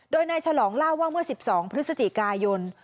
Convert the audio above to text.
โดยนายฉลองเล่าว่าเมื่อ๑๒พฤศจิกายน